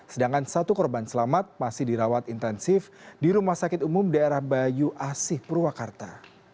sedangkan satu korban selamat masih dirawat intensif di rumah sakit umum daerah bayu asih purwakarta